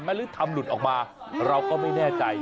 หรือทำหลุดออกมาเราก็ไม่แน่ใจ